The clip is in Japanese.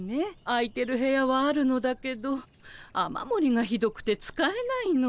空いてる部屋はあるのだけど雨もりがひどくて使えないの。